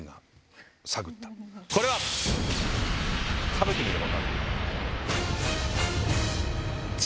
食べてみれば分かる。